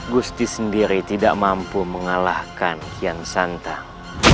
gusti sendiri tidak mampu mengalahkan yang santang